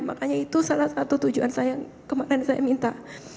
makanya itu salah satu tujuan saya yang kemarin saya minta